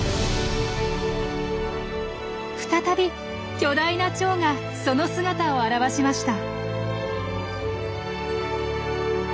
再び巨大なチョウがその姿を現しました。